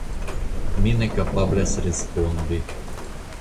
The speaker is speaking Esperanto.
Mi ne kapablas respondi.